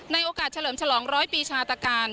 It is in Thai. โอกาสเฉลิมฉลองร้อยปีชาตการ